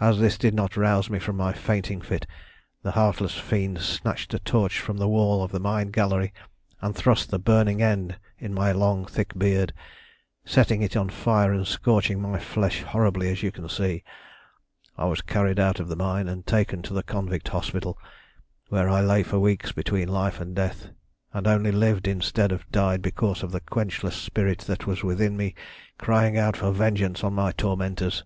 "As this did not rouse me from my fainting fit, the heartless fiend snatched a torch from the wall of the mine gallery and thrust the burning end in my long thick beard, setting it on fire and scorching my flesh horribly, as you can see. I was carried out of the mine and taken to the convict hospital, where I lay for weeks between life and death, and only lived instead of died because of the quenchless spirit that was within me crying out for vengeance on my tormentors.